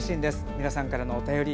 皆さんからのお便り。